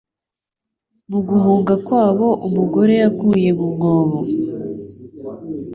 mu guhunga kwabo umugore yaguye mu mwobo